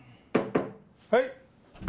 はい。